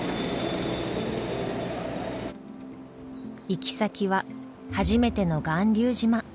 行き先は初めての巌流島。